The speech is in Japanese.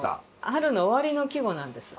春の終わりの季語なんです。